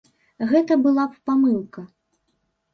Гэта была б памылка.